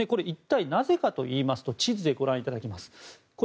一体なぜかといいますと地図でご覧いただきます。